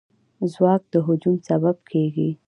ځواک د هجوم سبب کېږي.